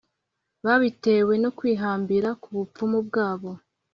babitewe no kwihambira ku bupfumu bwabo,